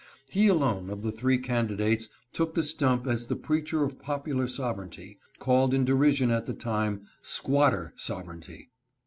He alone of the three candidates took the stump as the preacher of popular sovereignty, called in derision at the time," Squatter " Sovereignty.